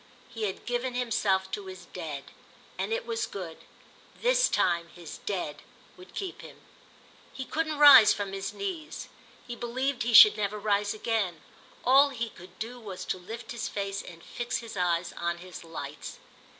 He had given himself to his Dead, and it was good: this time his Dead would keep him. He couldn't rise from his knees; he believed he should never rise again; all he could do was to lift his face and fix his eyes on his lights.